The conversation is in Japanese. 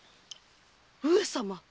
上様！